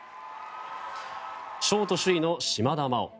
ショート首位の島田麻央。